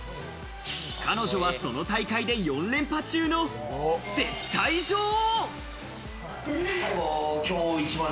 彼女は、その大会で４連覇中の絶対女王。